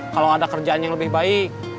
kalau ada kerjaan yang lebih baik